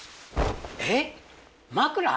えっ！